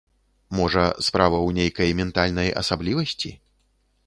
Можа, справа ў нейкай ментальнай асаблівасці?